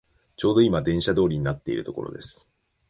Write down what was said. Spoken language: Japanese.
ちょうどいま電車通りになっているところです